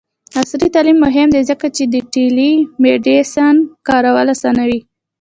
عصري تعلیم مهم دی ځکه چې د ټیلی میډیسین کارول اسانوي.